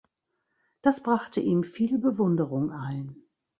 Das brachte ihm viel Bewunderung ein.